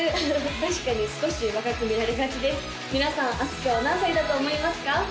確かに少し若く見られがちです皆さんあすきょう何歳だと思いますか？